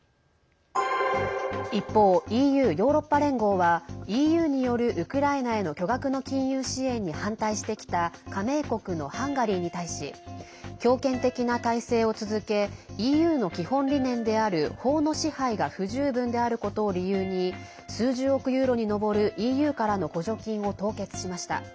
一方、ＥＵ＝ヨーロッパ連合はＥＵによる、ウクライナへの巨額の金融支援に反対してきた加盟国のハンガリーに対し強権的な体制を続けＥＵの基本理念である法の支配が不十分であることを理由に数十億ユーロに上る、ＥＵからの補助金を凍結しました。